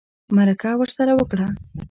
مرکه ورسره وکړه